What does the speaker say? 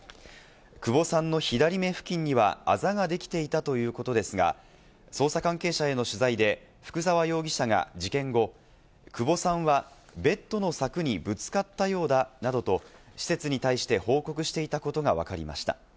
久保さんの左目付近にはあざができていたということですが、捜査関係者への取材で福沢容疑者が、事件後、久保さんはベッドの柵にぶつかったようだなどと施設に対して報告していたことがわかりました。